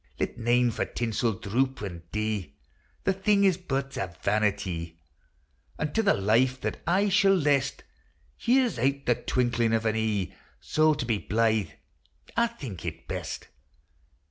Let nane for tinsel droop an' dee, The thing is but a vanitee ; And to the life that aye shall lest Here 's out the twinkling of an ee : So to be blythe I think it best.